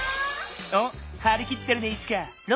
おっはりきってるねイチカ。